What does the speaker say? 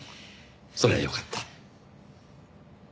それはよかった。